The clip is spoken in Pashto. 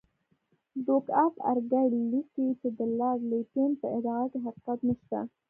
ډوک آف ارګایل لیکي چې د لارډ لیټن په ادعا کې حقیقت نشته.